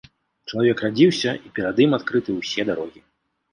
Чалавек радзіўся, і перад ім адкрыты ўсе дарогі.